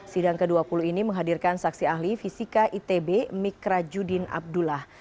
sidang ke dua puluh ini menghadirkan saksi ahli fisika itb mikra judin abdullah